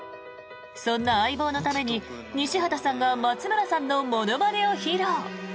そんな相棒のために西畑さんが松村さんのものまねを披露。